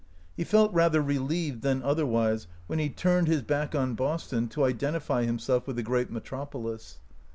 He felt rather relieved than otherwise when he turned his back on Boston to iden tify himself with the great metropolis.